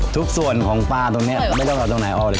ทุกส่วนของปลาตรงนี้เขาไม่ต้องเอาตรงไหนออกเลย